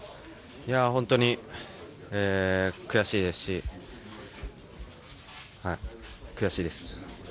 本当に悔しいですし悔しいです。